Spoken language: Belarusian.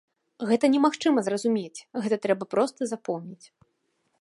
Гэта немагчыма зразумець, гэта трэба проста запомніць.